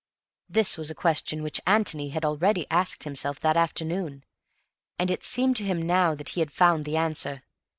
This was a question which Antony had already asked himself that afternoon, and it seemed to him now that he had found the answer.